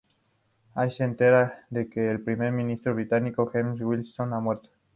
Asher se entera de que el Primer Ministro Británico James Wilson ha muerto.